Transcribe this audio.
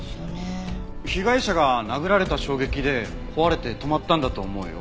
被害者が殴られた衝撃で壊れて止まったんだと思うよ。